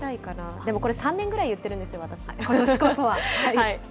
でも、これ、３年ぐらい言ってることしこそは。